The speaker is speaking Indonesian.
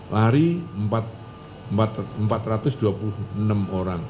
lari empat ratus dua puluh enam orang